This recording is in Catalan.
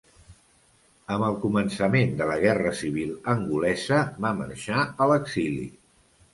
Amb el començament de la Guerra Civil angolesa va marxar a l'exili.